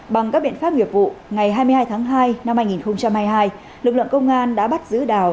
bằng các biện pháp nghiệp vụ ngày hai mươi hai tháng hai năm hai nghìn hai mươi hai lực lượng công an đã bắt giữ đào